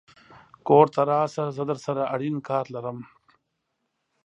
کور ته راشه زه درسره اړين کار لرم